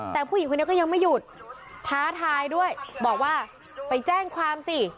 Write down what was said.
แต่ผู้หญิงคนนี้ก็ยังไม่หยุดท้าทายด้วยบอกว่าไปแจ้งความสิ